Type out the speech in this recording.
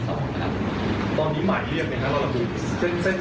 ตอนนี้หมายเรียกเราระบุกเส้นตายไหมครับ